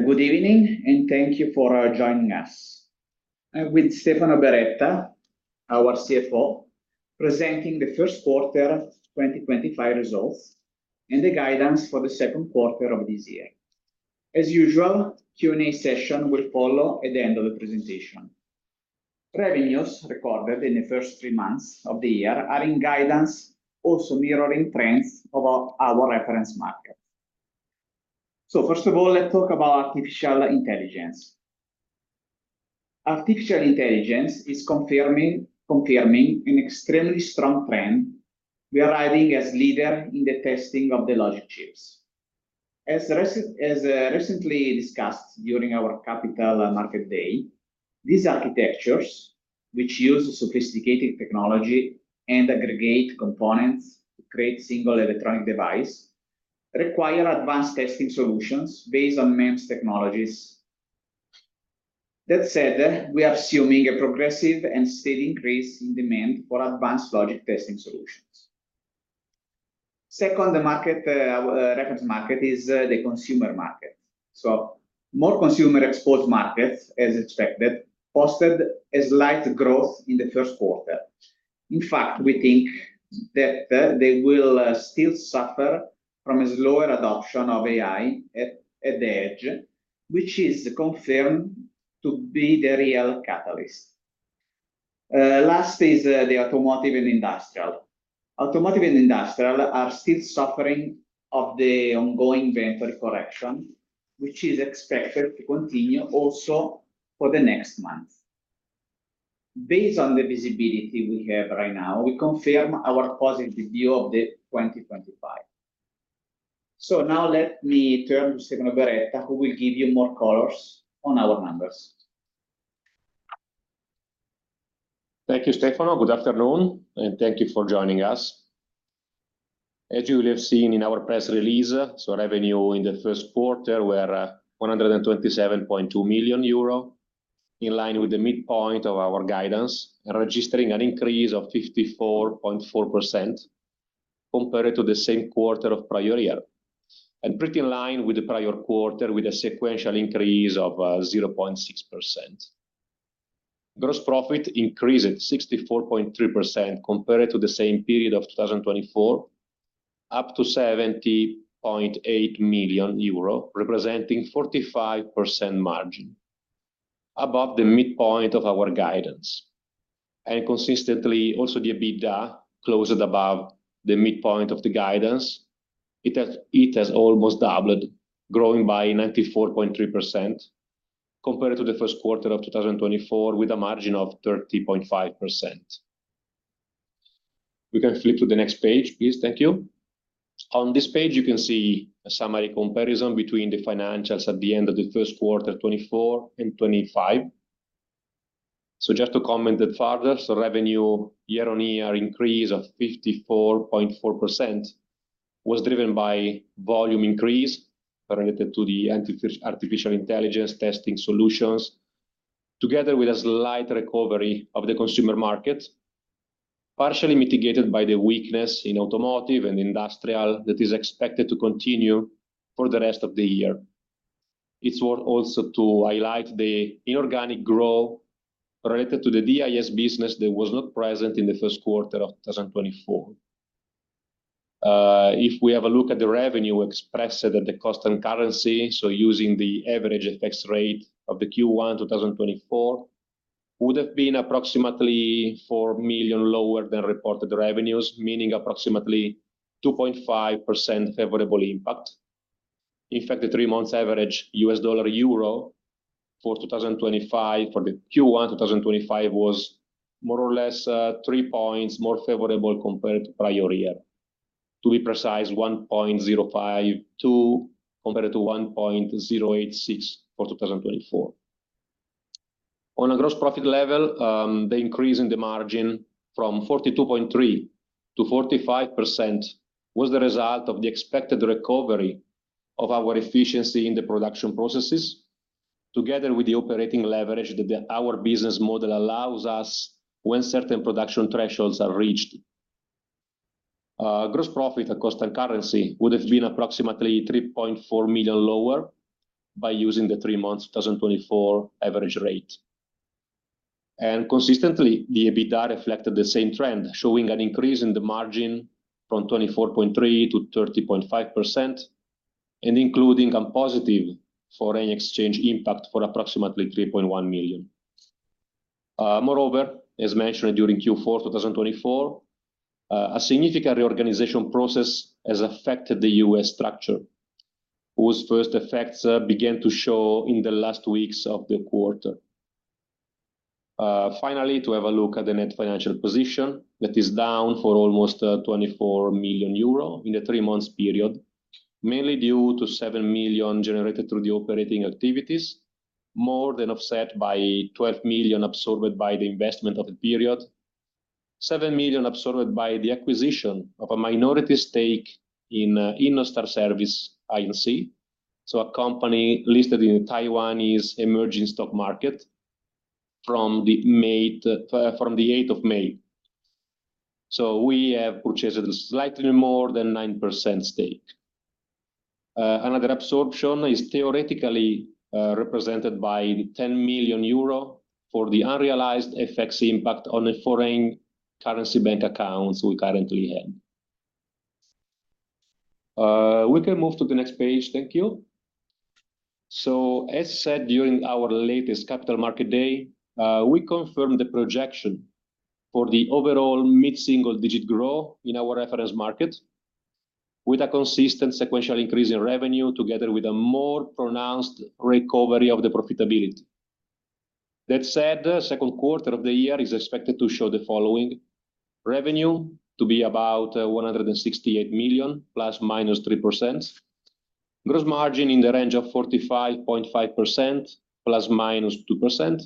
Good evening, and thank you for joining us. I'm with Stefano Beretta, our CFO, presenting the first quarter 2025 results and the guidance for the second quarter of this year. As usual, the Q&A session will follow at the end of the presentation. Revenues recorded in the first three months of the year are in guidance, also mirroring trends of our reference market. First of all, let's talk about artificial intelligence. Artificial intelligence is confirming an extremely strong trend. We are riding as leaders in the testing of the logic chips. As recently discussed during our capital market day, these architectures, which use sophisticated technology and aggregate components to create single electronic devices, require advanced testing solutions based on advanced technologies. That said, we are assuming a progressive and steady increase in demand for advanced logic testing solutions. Second, the market, our reference market, is the consumer market. More consumer export markets, as expected, posted a slight growth in the first quarter. In fact, we think that they will still suffer from a slower adoption of AI at the edge, which is confirmed to be the real catalyst. Last is the automotive and industrial. Automotive and industrial are still suffering from the ongoing inventory correction, which is expected to continue also for the next month. Based on the visibility we have right now, we confirm our positive view of 2025. Now let me turn to Stefano Beretta, who will give you more colors on our numbers. Thank you, Stefano. Good afternoon, and thank you for joining us. As you will have seen in our press release, revenue in the first quarter was 127.2 million euro, in line with the midpoint of our guidance, registering an increase of 54.4% compared to the same quarter of the prior year, and pretty in line with the prior quarter, with a sequential increase of 0.6%. Gross profit increased 64.3% compared to the same period of 2024, up to 70.8 million euro, representing a 45% margin, above the midpoint of our guidance. Consistently, also the EBITDA closed above the midpoint of the guidance. It has almost doubled, growing by 94.3% compared to the first quarter of 2024, with a margin of 30.5%. We can flip to the next page, please. Thank you. On this page, you can see a summary comparison between the financials at the end of the first quarter, 2024 and 2025. Just to comment that further, revenue year-on-year increased of 54.4% was driven by volume increase related to the artificial intelligence testing solutions, together with a slight recovery of the consumer market, partially mitigated by the weakness in automotive and industrial that is expected to continue for the rest of the year. It's worth also to highlight the inorganic growth related to the DIS business that was not present in the first quarter of 2024. If we have a look at the revenue, we express that the cost and currency, so using the average FX rate of the Q1 2024, would have been approximately $4 million lower than reported revenues, meaning approximately 2.5% favorable impact. In fact, the three-month average U.S. dollar-euro for 2025 for the Q1 2025 was more or less 3 percentage points more favorable compared to the prior year, to be precise, 1.052 compared to 1.086 for 2024. On a gross profit level, the increase in the margin from 42.3%-45% was the result of the expected recovery of our efficiency in the production processes, together with the operating leverage that our business model allows us when certain production thresholds are reached. Gross profit at cost and currency would have been approximately $3.4 million lower by using the three-month 2024 average rate. Consistently, the EBITDA reflected the same trend, showing an increase in the margin from 24.3%-30.5%, and including a positive foreign exchange impact for approximately $3.1 million. Moreover, as mentioned during Q4 2024, a significant reorganization process has affected the U.S. structure, whose first effects began to show in the last weeks of the quarter. Finally, to have a look at the net financial position, that is down for almost 24 million euro in the three-month period, mainly due to 7 million generated through the operating activities, more than offset by 12 million absorbed by the investment of the period, 7 million absorbed by the acquisition of a minority stake in Innostar Service, so a company listed in Taiwanese emerging stock market from the 8th of May. We have purchased slightly more than 9% stake. Another absorption is theoretically represented by 10 million euro for the unrealized FX impact on the foreign currency bank accounts we currently have. We can move to the next page. Thank you. As said during our latest capital market day, we confirmed the projection for the overall mid-single-digit growth in our reference market, with a consistent sequential increase in revenue, together with a more pronounced recovery of the profitability. That said, the second quarter of the year is expected to show the following: revenue to be about 168 million, plus or minus 3%; gross margin in the range of 45.5%,+-2%;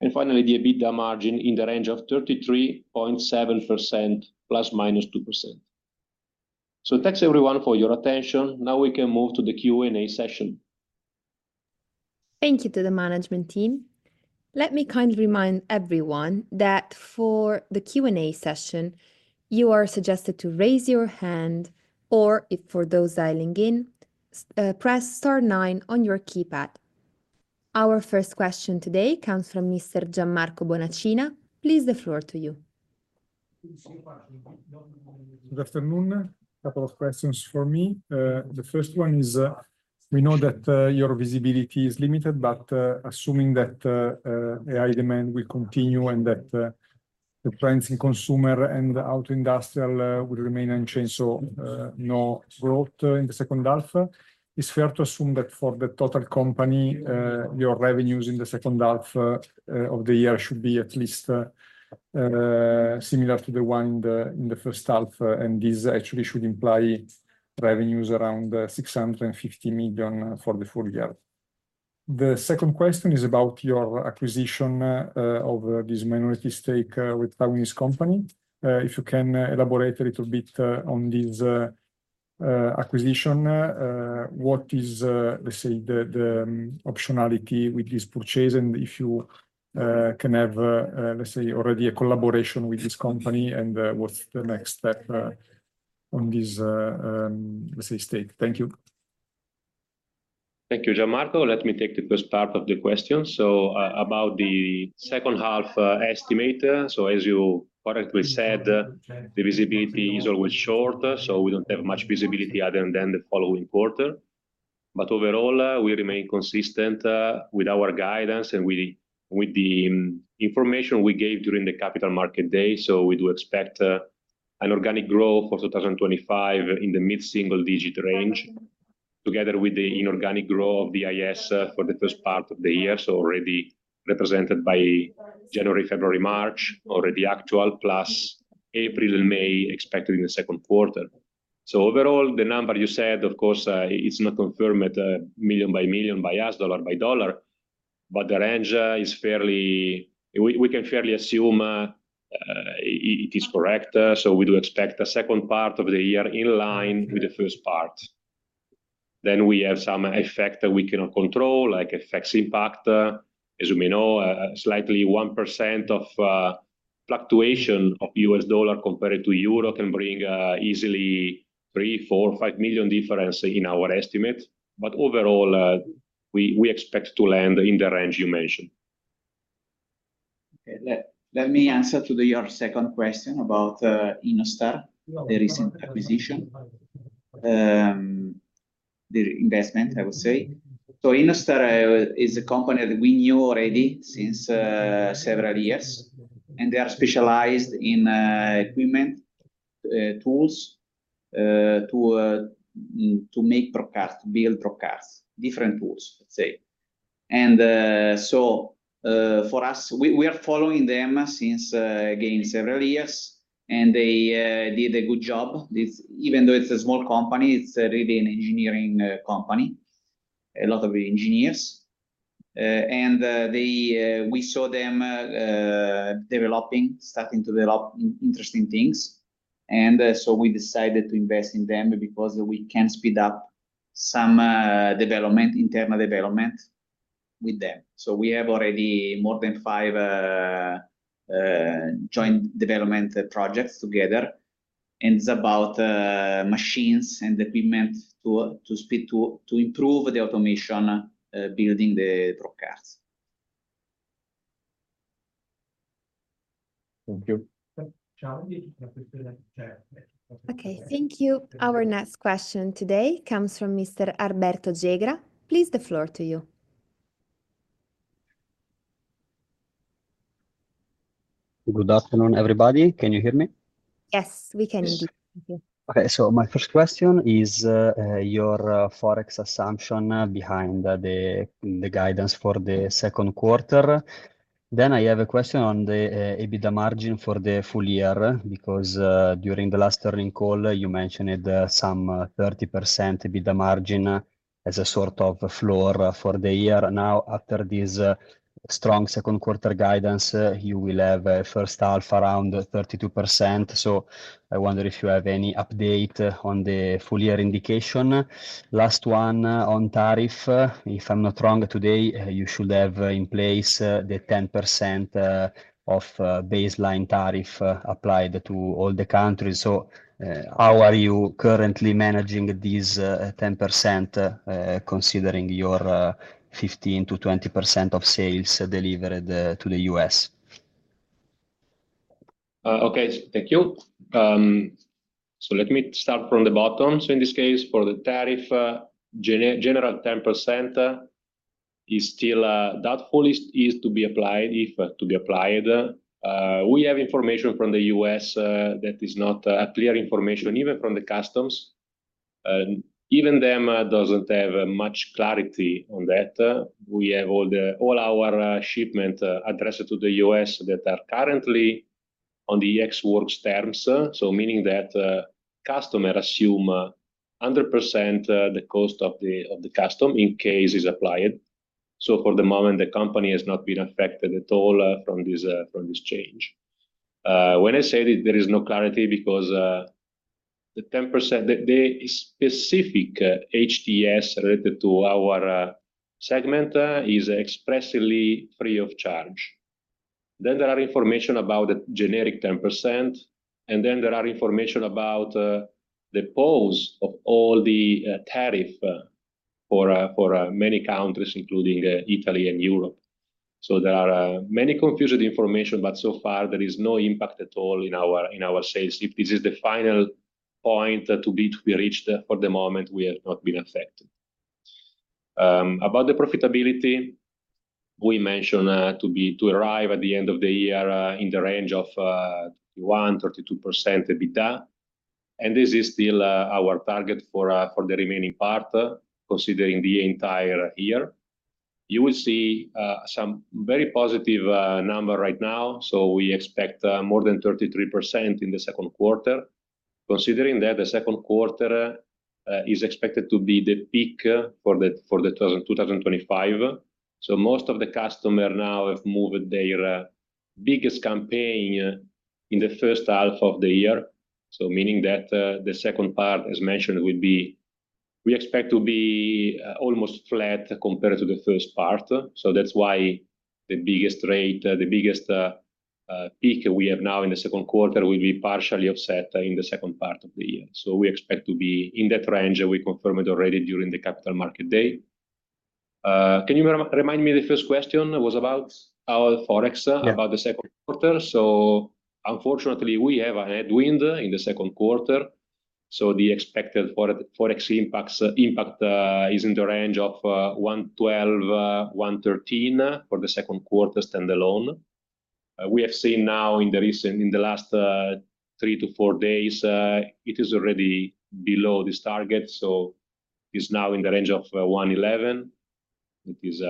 and finally, the EBITDA margin in the range of 33.7%+-2%. Thanks everyone for your attention. Now we can move to the Q&A session. Thank you to the management team. Let me kindly remind everyone that for the Q&A session, you are suggested to raise your hand, or for those dialing in, press star nine on your keypad. Our first question today comes from Mr. Gianmarco Bonacina. Please, the floor to you. Good afternoon. A couple of questions for me. The first one is, we know that your visibility is limited, but assuming that AI demand will continue and that the trends in consumer and auto industrial will remain unchanged, so no growth in the second half, it's fair to assume that for the total company, your revenues in the second half of the year should be at least similar to the one in the first half, and this actually should imply revenues around 650 million for the full year. The second question is about your acquisition of this minority stake with Taiwanese company. If you can elaborate a little bit on this acquisition, what is, let's say, the optionality with this purchase, and if you can have, let's say, already a collaboration with this company, and what's the next step on this, let's say, stake? Thank you. Thank you, Gianmarco. Let me take the first part of the question. About the second half estimate, as you correctly said, the visibility is always short, so we do not have much visibility other than the following quarter. Overall, we remain consistent with our guidance and with the information we gave during the capital market day. We do expect an organic growth for 2025 in the mid-single-digit range, together with the inorganic growth of the IS for the first part of the year, already represented by January, February, March, already actual, plus April and May expected in the second quarter. Overall, the number you said, of course, it is not confirmed million by million, by U.S. dollar by dollar, but the range is fairly, we can fairly assume it is correct. We do expect the second part of the year in line with the first part. We have some effect that we cannot control, like FX impact. As you may know, a slight 1% fluctuation of the U.S. dollar compared to the euro can bring easily $3 million-$5 million difference in our estimate. Overall, we expect to land in the range you mentioned. Let me answer to your second question about Innostar, the recent acquisition, the investment, I would say. Innostar is a company that we knew already since several years, and they are specialized in equipment, tools to make probe cards, to build probe cards, different tools, let's say. For us, we are following them since, again, several years, and they did a good job. Even though it's a small company, it's really an engineering company, a lot of engineers. We saw them developing, starting to develop interesting things. We decided to invest in them because we can speed up some development, internal development with them. We have already more than five joint development projects together, and it's about machines and equipment to speed to improve the automation building the probe cards. Thank you. Okay. Thank you. Our next question today comes from Mr. Alberto Jegra. Please, the floor to you. Good afternoon, everybody. Can you hear me? Yes, we can indeed. Okay. So my first question is your forex assumption behind the guidance for the second quarter. Then I have a question on the EBITDA margin for the full year, because during the last earning call, you mentioned some 30% EBITDA margin as a sort of floor for the year. Now, after this strong second quarter guidance, you will have a first half around 32%. I wonder if you have any update on the full year indication. Last one on tariff, if I'm not wrong, today you should have in place the 10% of baseline tariff applied to all the countries. How are you currently managing this 10%, considering your 15%-20% of sales delivered to the U.S.? Okay. Thank you. Let me start from the bottom. In this case, for the tariff, general 10% is still doubtful, is to be applied, if to be applied. We have information from the U.S. that is not clear information, even from the customs. Even them doesn't have much clarity on that. We have all our shipment addressed to the U.S. that are currently on the ex-works terms, meaning that customer assume 100% the cost of the custom in case it's applied. For the moment, the company has not been affected at all from this change. When I say that there is no clarity because the 10%, the specific HTS related to our segment is expressly free of charge. There are information about the generic 10%, and there are information about the pose of all the tariff for many countries, including Italy and Europe. There are many confused information, but so far there is no impact at all in our sales. If this is the final point to be reached, for the moment, we have not been affected. About the profitability, we mentioned to arrive at the end of the year in the range of 21%-32% EBITDA, and this is still our target for the remaining part, considering the entire year. You will see some very positive number right now, so we expect more than 33% in the second quarter, considering that the second quarter is expected to be the peak for 2025. Most of the customers now have moved their biggest campaign in the first half of the year, meaning that the second part, as mentioned, we expect to be almost flat compared to the first part. That's why the biggest rate, the biggest peak we have now in the second quarter will be partially offset in the second part of the year. We expect to be in that range. We confirmed it already during the capital market day. Can you remind me, the first question was about our forex, about the second quarter? Unfortunately, we have a headwind in the second quarter. The expected forex impact is in the range of 1.12-1.13 for the second quarter standalone. We have seen now in the recent, in the last three to four days, it is already below this target. It is now in the range of 1.11. It is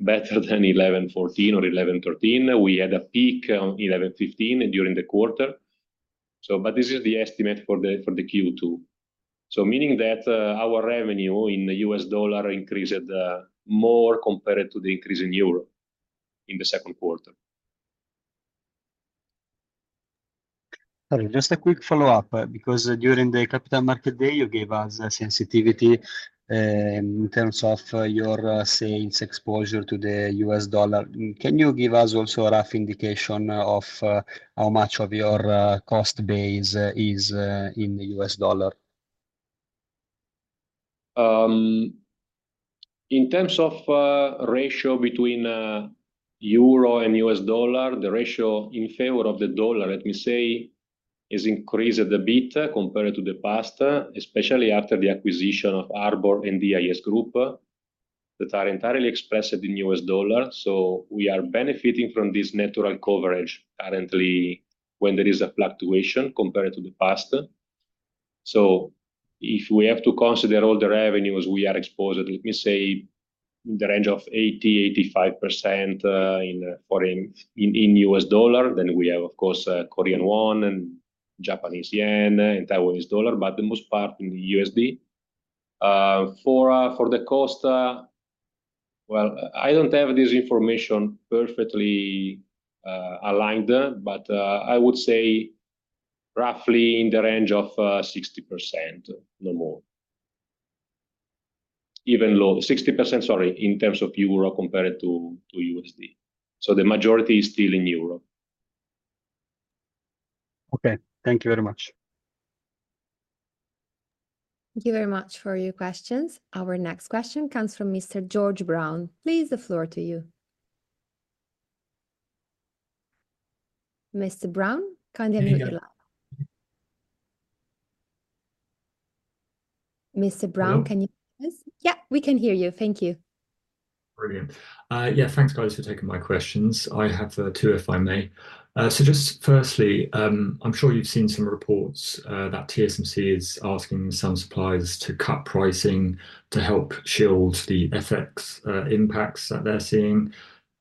better than 1.114 or 1.113. We had a peak on 1.115 during the quarter. This is the estimate for the Q2, so meaning that our revenue in the U.S. dollar increased more compared to the increase in euro in the second quarter. Just a quick follow-up, because during the capital market day, you gave us sensitivity in terms of your sales exposure to the U.S. dollar. Can you give us also a rough indication of how much of your cost base is in the U.S. dollar? In terms of ratio between euro and U.S. dollar, the ratio in favor of the dollar, let me say, has increased a bit compared to the past, especially after the acquisition of Arbor and the IS Group that are entirely expressed in U.S. dollar. We are benefiting from this network coverage currently when there is a fluctuation compared to the past. If we have to consider all the revenues we are exposed, let me say, in the range of 80%-85% in U.S. dollar, then we have, of course, Korean won and Japanese yen and Taiwanese dollar, but the most part in the $U.S.D. For the cost, I do not have this information perfectly aligned, but I would say roughly in the range of 60%, no more. Even low 60%, sorry, in terms of euro compared to $U.S.D. The majority is still in euro. Okay. Thank you very much. Thank you very much for your questions. Our next question comes from Mr. George Brown. Please, the floor to you. Mr. Brown, can you hear me? Mr. Brown, can you hear us? Yeah, we can hear you. Thank you. Brilliant. Yeah, thanks, guys, for taking my questions. I have two, if I may. Just firstly, I'm sure you've seen some reports that TSMC is asking some suppliers to cut pricing to help shield the FX impacts that they're seeing.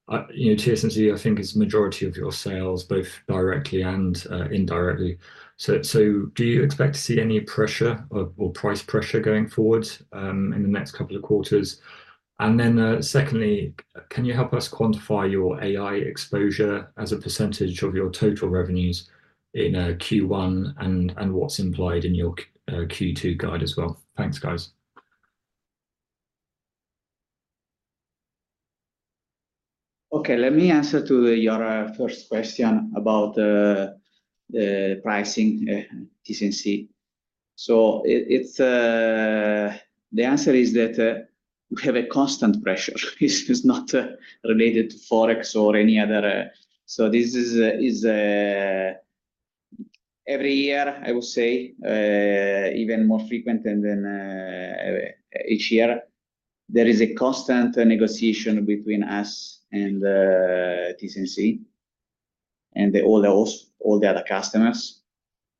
TSMC, I think, is the majority of your sales, both directly and indirectly. Do you expect to see any pressure or price pressure going forward in the next couple of quarters? Secondly, can you help us quantify your AI exposure as a percentage of your total revenues in Q1 and what's implied in your Q2 guide as well? Thanks, guys. Okay. Let me answer to your first question about the pricing TSMC. The answer is that we have a constant pressure. It is not related to forex or any other. This is every year, I would say, even more frequent than each year. There is a constant negotiation between us and TSMC and all the other customers.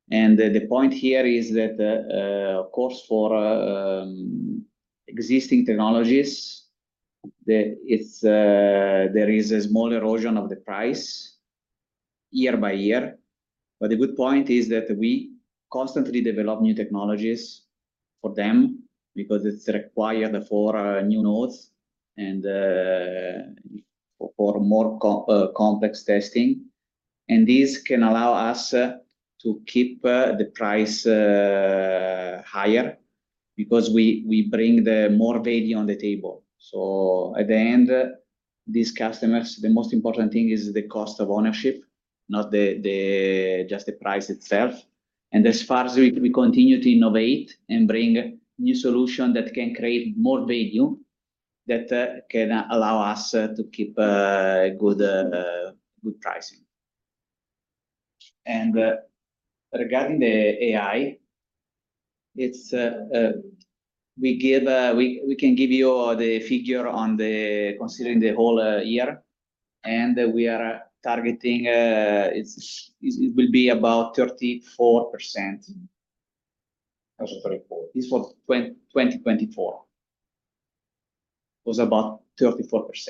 The point here is that, of course, for existing technologies, there is a small erosion of the price year by year. The good point is that we constantly develop new technologies for them because it is required for new nodes and for more complex testing. This can allow us to keep the price higher because we bring more value on the table. At the end, these customers, the most important thing is the cost of ownership, not just the price itself. As far as we continue to innovate and bring new solutions that can create more value that can allow us to keep good pricing. Regarding the AI, we can give you the figure on considering the whole year. We are targeting it will be about 34%. It is for 2024. It was about 34%.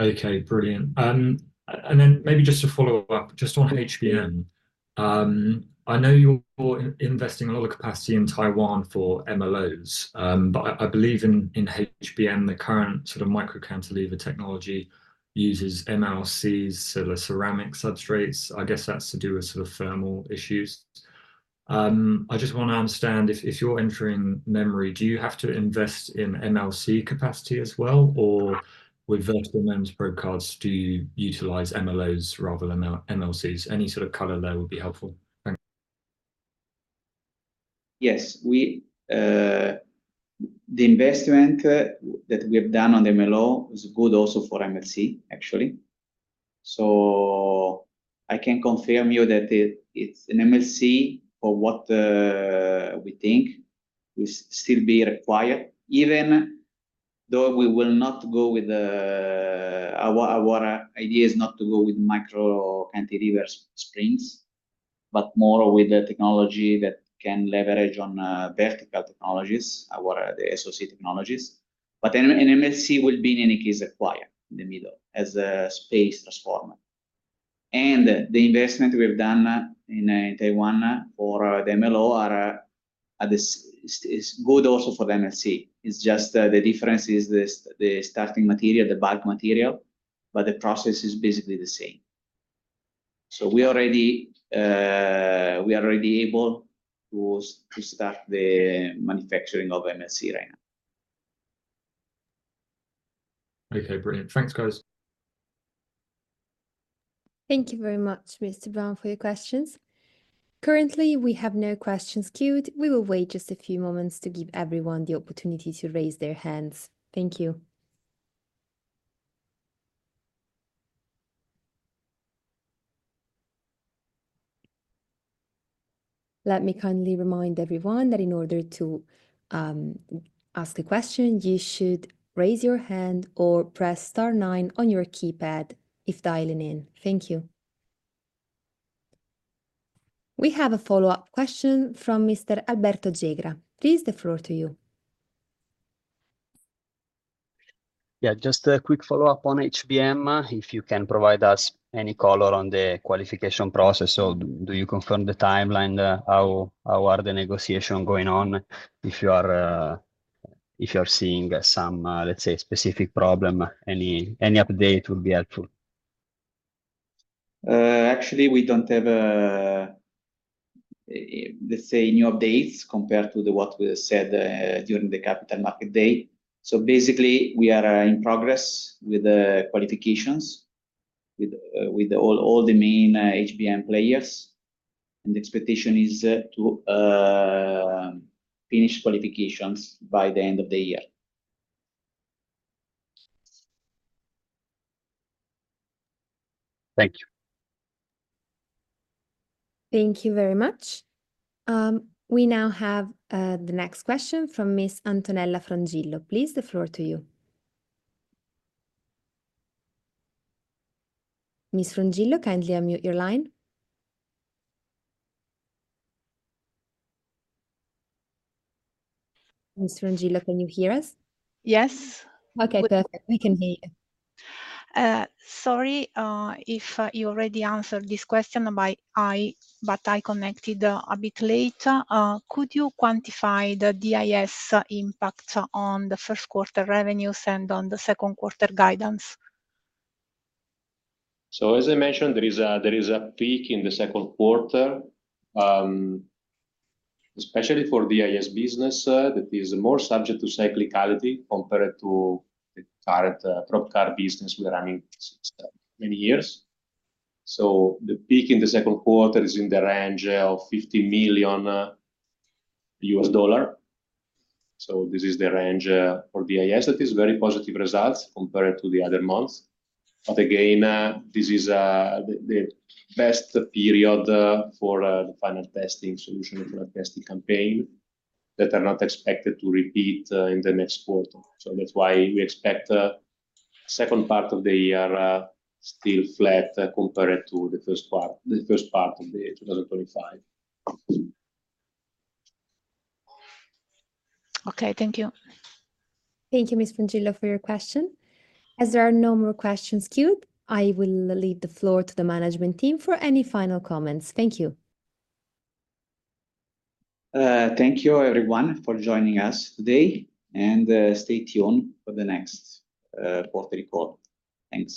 Okay. Brilliant. Maybe just to follow up, just on HBM, I know you're investing a lot of capacity in Taiwan for MLOs, but I believe in HBM, the current sort of micro cantilever technology uses MLCs, so the ceramic substrates. I guess that's to do with sort of thermal issues. I just want to understand if you're entering memory, do you have to invest in MLC capacity as well, or with vertical MEMS probe cards, do you utilize MLOs rather than MLCs? Any sort of color there would be helpful. Thanks. Yes. The investment that we have done on the MLO is good also for MLC, actually. I can confirm you that it's an MLC for what we think will still be required, even though we will not go with our idea is not to go with micro cantilever springs, but more with the technology that can leverage on vertical technologies, the SoC technologies. An MLC will be in any case required in the middle as a space transformer. The investment we've done in Taiwan for the MLO is good also for the MLC. The difference is the starting material, the bulk material, but the process is basically the same. We are already able to start the manufacturing of MLC right now. Okay. Brilliant. Thanks, guys. Thank you very much, Mr. Brown, for your questions. Currently, we have no questions queued. We will wait just a few moments to give everyone the opportunity to raise their hands. Thank you. Let me kindly remind everyone that in order to ask a question, you should raise your hand or press star nine on your keypad if dialing in. Thank you. We have a follow-up question from Mr. Alberto Jegra. Please, the floor to you. Yeah, just a quick follow-up on HBM. If you can provide us any color on the qualification process, do you confirm the timeline? How are the negotiations going on? If you are seeing some, let's say, specific problem, any update would be helpful. Actually, we don't have, let's say, new updates compared to what we said during the capital market day. Basically, we are in progress with the qualifications with all the main HBM players, and the expectation is to finish qualifications by the end of the year. Thank you. Thank you very much. We now have the next question from Ms. Antonella Frangillo. Please, the floor to you. Ms. Frangillo, kindly unmute your line. Ms. Frangillo, can you hear us? Yes. Okay. Perfect. We can hear you. Sorry if you already answered this question, but I connected a bit late. Could you quantify the DIS impact on the first quarter revenues and on the second quarter guidance? As I mentioned, there is a peak in the second quarter, especially for DIS business that is more subject to cyclicality compared to the current probe card business we are running for many years. The peak in the second quarter is in the range of $50 million. This is the range for DIS that is very positive results compared to the other months. Again, this is the best period for the final testing solution for a testing campaign that are not expected to repeat in the next quarter. That is why we expect the second part of the year still flat compared to the first part of 2025. Okay. Thank you. Thank you, Ms. Frangillo, for your question. As there are no more questions queued, I will leave the floor to the management team for any final comments. Thank you. Thank you, everyone, for joining us today, and stay tuned for the next quarterly call. Thanks.